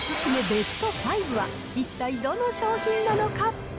ベスト５は、一体どの商品なのか。